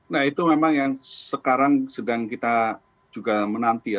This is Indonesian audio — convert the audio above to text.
nah itu memang yang sekarang sedang kita juga menanti ya